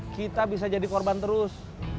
kita bisa jadi korban terus